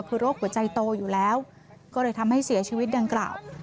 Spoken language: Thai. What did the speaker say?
คือโรคหัวใจโตอยู่แล้วก็เลยทำให้เสียชีวิตดังกล่าว